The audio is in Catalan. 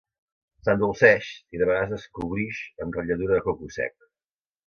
S'endolceix, i de vegades es cobrix amb ratlladura de coco sec.